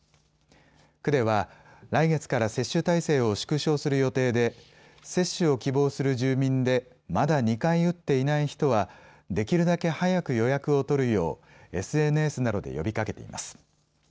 区では来月から接種体制を縮小する予定で接種を希望する住民でまだ２回打っていない人はできるだけ早く予約を取るようＳＮＳなどで呼びかけています。